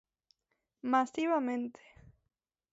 Masivamente.